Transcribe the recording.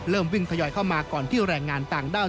วิ่งทยอยเข้ามาก่อนที่แรงงานต่างด้าว